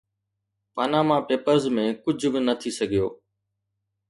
Panama Papers ۾ ڪجهه به نه ٿي سگهيو.